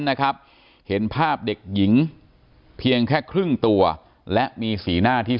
นะครับเห็นภาพเด็กหญิงเพียงแค่ครึ่งตัวและมีสีหน้าที่